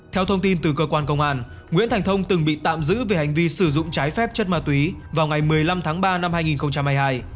theo thông tin từ cơ quan công an nguyễn thành thông từng bị tạm giữ về hành vi sử dụng trái phép chất ma túy vào ngày một mươi năm tháng ba năm hai nghìn hai mươi hai